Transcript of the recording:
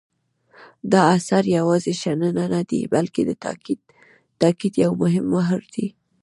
دا اثر یوازې شننه نه دی بلکې د تاکید یو مهم مهر دی.